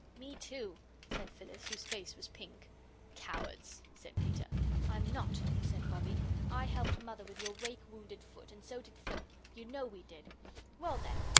"Me, too," said Phyllis, whose face was pink. "Cowards!" said Peter. "I'm not," said Bobbie. "I helped Mother with your rake wounded foot, and so did Phil you know we did." "Well, then!"